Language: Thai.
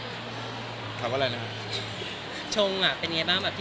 ชงอะเป็นยังไงบ้างเมื่อผ่านมาช่วงนี้